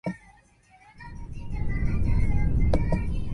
Minnie Coates was much better and was sleeping soundly.